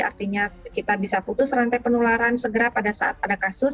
artinya kita bisa putus rantai penularan segera pada saat ada kasus